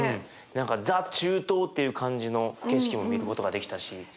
何かザ・中東っていう感じの景色も見ることができたし。